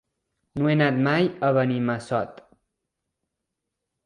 No he anat mai a Benimassot.